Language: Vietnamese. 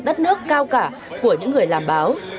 đất nước cao cả của những người làm báo